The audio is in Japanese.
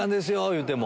言うても。